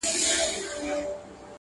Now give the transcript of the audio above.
خدایه مینه د قلم ورکي په زړو کي ،